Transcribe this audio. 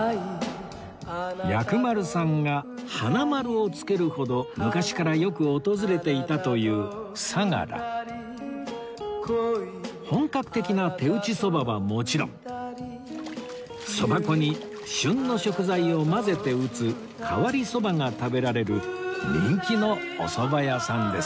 薬丸さんが花丸をつけるほど昔からよく訪れていたという本格的な手打ちそばはもちろんそば粉に旬の食材を混ぜて打つ変わりそばが食べられる人気のおそば屋さんです